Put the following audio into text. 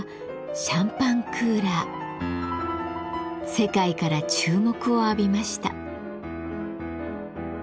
世界から注目を浴びました。